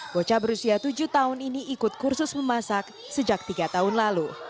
bocah berusia tujuh tahun ini ikut kursus memasak sejak tiga tahun lalu